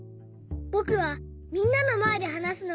「ぼくはみんなのまえではなすのがにがてです。